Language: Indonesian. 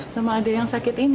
sama ada yang sakit ini